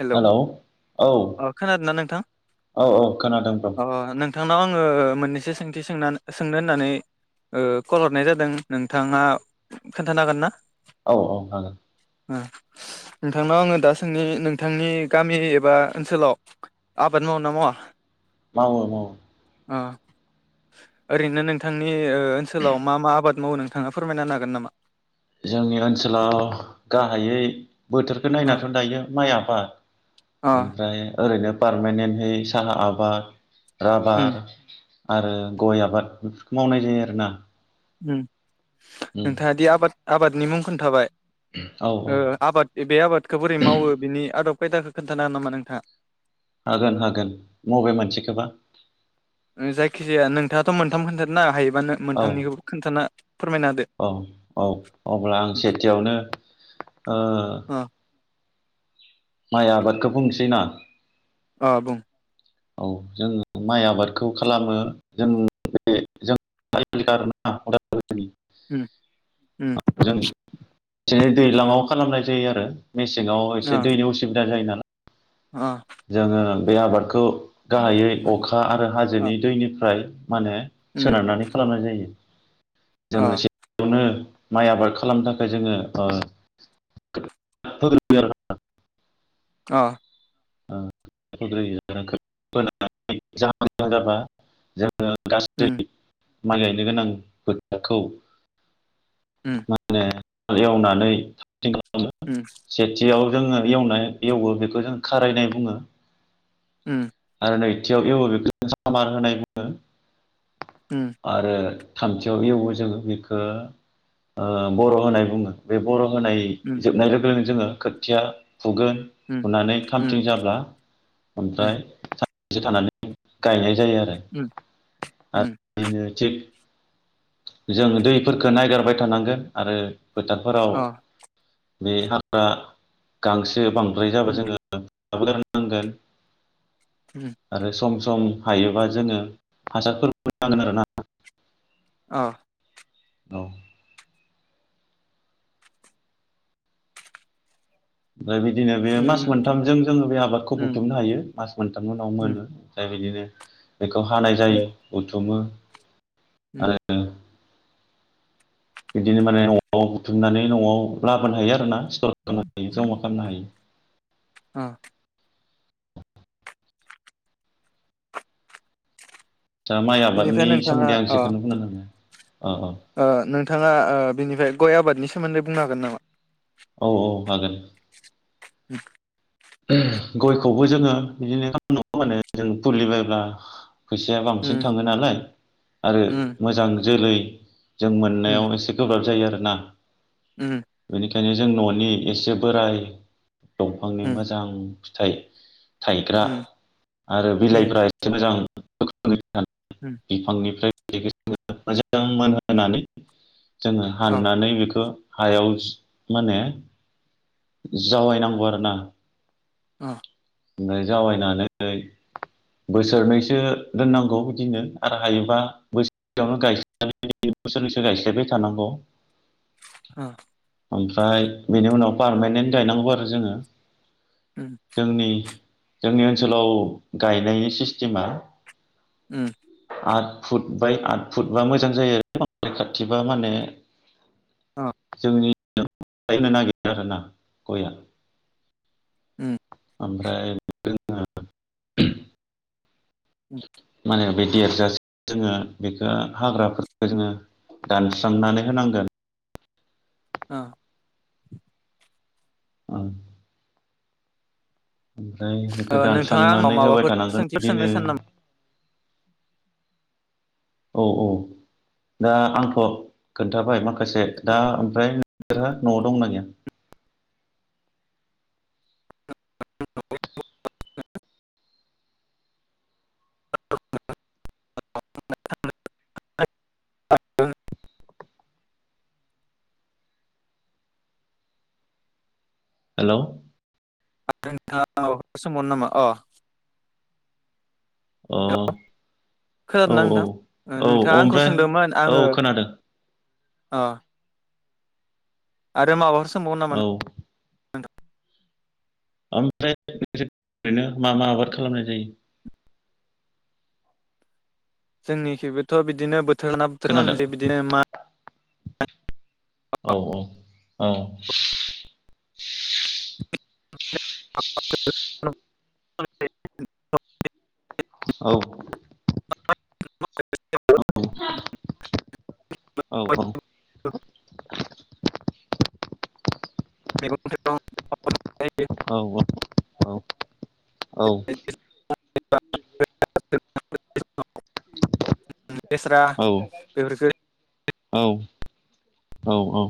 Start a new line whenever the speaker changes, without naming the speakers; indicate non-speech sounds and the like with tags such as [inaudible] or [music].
Hello
औ
अ खोनादों ना नोंथां
औ औ खोनादों ब्र
अ नोंथांनाव आङो मोननैसो सों थि सों सोंनो होननानै ओ कल हरनाय जादों नोंथाङा खोन्थानो हागोन ना?
औ औ हागोन
ओ नोंथांनाव आङो दाासोंनि नों थांनि गामि एबा ओनसोलाव आबाद मावो ना मावा?
मावो मावो
अ ओरैनो नोंथांनि ओनसोलाव मा मा आबाद मावो नोंथाङा फोरमायना हागोन नामा?
जोंनि ओनसोलाव गाहायै बोथोरखौ
अ
नायनाथ' दायो माइया बा
अ
ओमफ्राय ओरैनो पारमानेन्टहै साहा आबाद
उम
राबार आरो गय आबाद बेफोरखौ मावनाय जायो आरोना
उम
उम
नोंथाङादि आबाद आबादनि मुं खोन्थाबाय
औ
ओ
औ
आबाद बे आबादखौ बोरै मावो बिनि आदब खायदाखौ खोन्थानो हागोन नामा नोंथाङा?
हागोन हागोन बबे मोनसे खोबा
जायखिजाया नोंथाङाथ' मोनथाम खोनथादोंना हायो माहोनो
औ
मोनथामनिखौबो खोन्थाना फोरमायना होदो
औ औ अब्ला आं सेथियावनो ओ
अ
माइ आबादखौ बुंनोसै ना?
अह बुं।
औ जों माइ आबादखौ खालामो जों बे जों [unintelligible]
उम उम।
जों बिदिनो दैज्लाङाव खालामनाय जायो आरो। मेसेङाव एसे
अ
दैनि असुबिदा जायो नाला
अ
जोङो बे आबादखौ गाहायै अखा आरो
अ
हाजोनि दैनिफ्राय मानो
उम
सोनारनानै खालामनाय जायो।
अ
जोङो [unintelligible] माइ आबाद खालामनो थाखाय जोङो ओ [unintelligible]
अ
[unintelligible]
उम
[unintelligible] माइ गायनो गोनां [unintelligible] [unintelligible]
उम
[unintelligible]
उम
[unintelligible] सेथियाव जोङो एवनाय एवो बेखो जों खारायनाय बुङो।
उम
आरो नैथियाव एवो [unintelligible] सामार होनाय बुङो।
उम
आरो थामथियाव एवो जोङो बिखो ओ बर' होनाय बुङो बे बर' होनाय
उम
जोबनाय लोगो लोगो जोङो खोथिया फुगोन
उम उम
फुनानै
उम
थामथिं जाब्ला
उम
ओमफ्राय [unintelligible] थानानै गायनाय जायो आरो
उम
[unintelligible]
उम
बिनो थिग जों दैफोरखो नायगारबाय थानांगोन आरो फोथारफोराव
अ
बे हाग्रा गांस [unintelligible] बांद्राय जाबा
उम
जोङो [unintelligible] नांगोन ।
उम
आरो सम स सम हायोबा जोङो हासारफोरबो नांगोन आरो ना ।
अ
औ [unintelligible] बिदिनो बे मास
उम
मोनथामजों जोङो बे आबादखौ
उम
बुथुमनो हायो मास मोनथामनि उनाव
उम
मोनो जाय बिदिनो [inaudible] बेखौ हानाय
उम
जायो हुथुमो ।
उम
बिदिनो माने [unintelligible] बुथुमनानै न'आव लाबोनो हायो आरो ना । [unintelligible] हायो जमा खामनो हायो ।
ओ।
दा माइ
बेनिफ्राय
आबादनि
नोंथाङा
सोमोन्दै आं
अ
जेखोनो बुंनो रोङो
ओ नों थाङा ओ बिनिफ्राय गय आबादनि सोमोन्दै बुंनो हागोन नामा?
औ औ हागोन।
[unintelligible]
उमह गयखौबो जोङो बिदिनो [unintelligible] मोनो जों फुलि बायब्ला फैसाया बांसिन
उम
थाङो नालाय आरो
उम
मोजां जोलै [inaudible] जों
उम
मोननायाव एसे गोब्राब जायो आरो ना।
उम।
खायनो जों न'नि एसे बोराय दंफांनि
उम
मो जां फिथाइ थाइग्रा
उम
आरो
उम
बिलाइफ्रा एसे मोजां दान
उम
बिफांनिफ्राय [unintelligible] मोजां मोनहोनानै जोङो
अ
हाननानै बेखो हायाव इस माने जावाय नांगौ आरोना।
अह।
ओमफाय जावायनानै बोसोरनैसो दोननांगौ बिदिनो आरो हायोबा बोसोरसेयावनो गाय [unintelligible] बोसोरनैसो गायस्लायबाय थानांगौ।
ह।
ओमफ्राय बेनि उनाव पारमानेन्ट गायनांगौ आरो जोङो
उम
। जोंनि जोंनि ओनसोलाव गायनायनि सिस्टिमा
उम।
आद फुट बाय आद फुटबा मोजां जायो आरो [unintelligible] खाथिबा माने
अ
जोंनि [unintelligible] आरोना गया।
उम।
ओमफ्राय जोङो
उम‌।
मा होनो बे देरजासे जोङो बेखौ हाग्राफोरखौ जोङो दानस्रांनानै होनांगोन ।
औ।
औ। ओमफ्राय
ओ
बेखौ
नोंथाङा आंनाव
दानस्रांनानै होबाय
माबाफोर
थानांगोन
सोंथिफोर सोंनो
बिदिनो।
सानो
औ औ दा आंथ' खोन्थाबाय माख खासे दा ओमफ्राय नोंसोरहा न'आव दंना गैया?
[unintelligible] [unintelligible] [unintelligible]
हेलौ
आरो नोंथाङा माबाफोर सोंबावनो नामा? अ
अ
हेलौ
औ
खोनादोंना नोंथां? ओ
औ
नोंथाङा आंखौ
ओमफ्राय
सोंदोंमोन
औ
आङो
खोनादों
अ आरो माबाफोर स सोंबावगोन नामा
औ
नों नोंथा
ओमफ्राय [unintelligible] ओरैनो मा मा आबाद खालामनाय जायो?
जोंनिखिबोथ' बिदिनो बोथ थोर लाना बोथोर
खोनादों
खालामनाय जायो बिदिनो मा
औ
[unintelligible]
औ
[unintelligible]
औ औ औ औ [unintelligible]
मेगं-थाइगं [unintelligible]
औ औ औ औ
[unintelligible] बेस्रा बेफोरफोरखो
औ औ औ